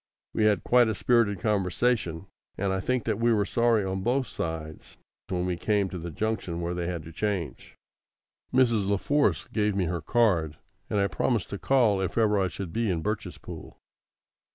We had quite a spirited conversation, and I think that we were sorry on both sides when we came to the junction where they had to change. Mrs. La Force gave me her card, and I promised to call if ever I should be in Birchespool.